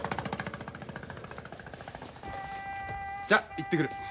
じゃ行ってくる。